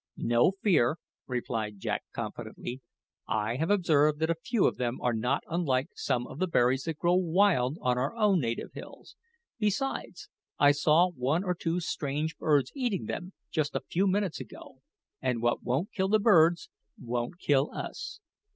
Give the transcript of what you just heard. "No fear," replied Jack confidently. "I have observed that a few of them are not unlike some of the berries that grow wild on our own native hills. Besides, I saw one or two strange birds eating them just a few minutes ago, and what won't kill the birds won't kill us.